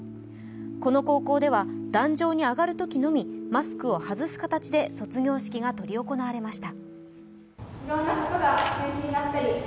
この高校では、壇上に上がるときのみマスクを外す形で卒業式が執り行われました。